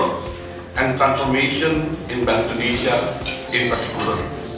dan transformasi bank indonesia di luar negara